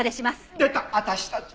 出た「私たち」！